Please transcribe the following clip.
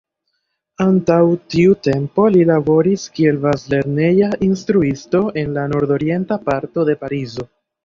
Antaŭ tiu tempo li laboris kiel bazlerneja instruisto en la nordorienta parto de Parizo.